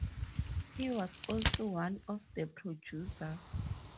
He was also one of the producers.